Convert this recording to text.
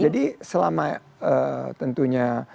jadi selama tentunya kita menangani